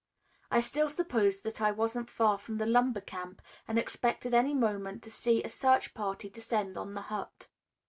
I still supposed that I wasn't far from the lumber camp and expected any moment to see a search party descend on the hut.